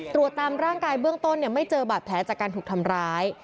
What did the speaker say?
ตามร่างกายเบื้องต้นไม่เจอบาดแผลจากการถูกทำร้าย